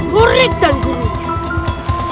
murid dan gurunya